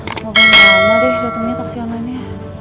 semoga lama deh datangnya taksi aman ya